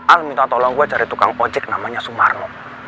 al minta tolong gue cari tukang ojek namanya sumarno